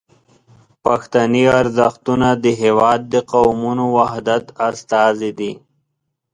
پښتني ارزښتونه د هیواد د قومونو وحدت استازي دي.